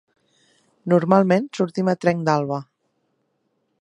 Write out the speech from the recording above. Normalment sortim a trenc d'alba.